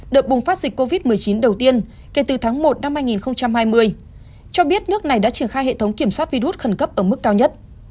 đợt bùng phát dịch covid một mươi chín đầu tiên kể từ tháng một năm hai nghìn hai mươi cho biết nước này đã triển khai hệ thống kiểm soát virus khẩn cấp ở mức cao nhất